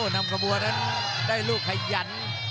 นำขบวนนั้นได้ลูกขยัน